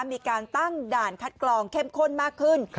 มีการตั้งด่านคัดกรองเข้มข้นมากขึ้น